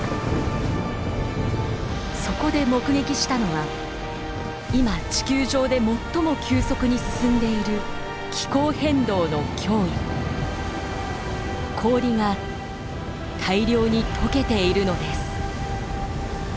そこで目撃したのは今地球上で最も急速に進んでいる氷が大量にとけているのです。